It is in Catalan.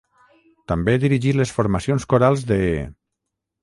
També dirigí les formacions corals de: